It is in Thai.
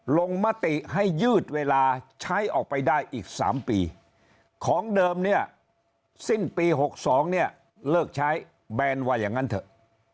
ลงมติให้ยืดเวลาใช้ออกไปได้อีก๓ปีของเดิมเนี่ยสิ้นปี๖๒เนี่ยเลิกใช้แบนว่าอย่างนั้นเถอะ